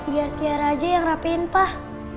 biar tiara aja yang rapiin pah